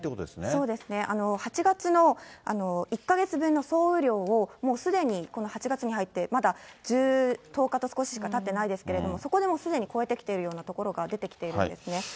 そうですね。８月の１か月分の総雨量をもうすでに、この８月に入ってまだ１０日と少ししかたってないですけど、そこでもうすでに超えてきているような所が出てきているんですね。